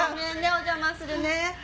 お邪魔するね。